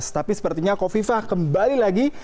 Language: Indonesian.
tapi sepertinya kofifah kembali lagi